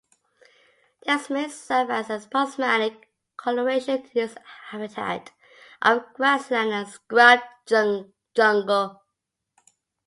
This may serve as aposematic colouration in its habitat of grassland and scrub jungle.